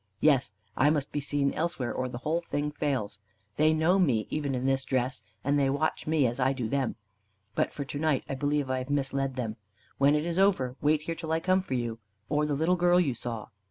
"Yes. I must be seen elsewhere, or the whole thing fails. They know me even in this dress, and they watch me as I do them. But for to night I believe I have misled them. When it is over, wait here till I come for you, or the little girl you saw."